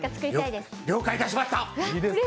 了解いたしました！